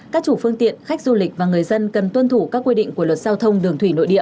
các chủ phương tiện khách du lịch và người dân cần tuân thủ các quy định của luật giao thông đường thủy nội địa